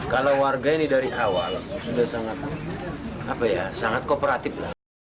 kalau warga ini dari awal sangat kooperatif